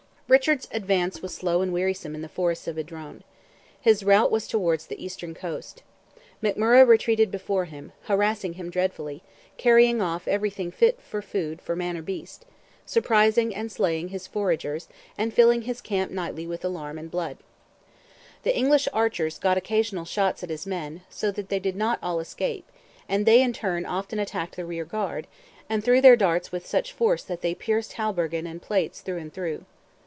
Richard's advance was slow and wearisome in the forests of Idrone. His route was towards the eastern coast. McMurrogh retreated before him, harassing him dreadfully, carrying off everything fit for food for man or beast, surprising and slaying his foragers, and filling his camp nightly with alarm and blood. The English archers got occasional shots at his men, "so that they did not all escape;" and they in turn often attacked the rear guard, "and threw their darts with such force that they pierced haubergeon and plates through and through."